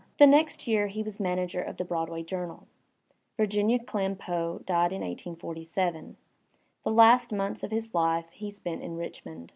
The next year he was manager of the Broadway Journal. Virginia Clemm Poe died in 1847. The last months of his life he spent in Richmond.